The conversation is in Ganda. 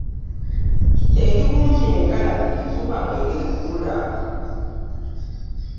Ekiwumbya engalabi guba mwenge kubula.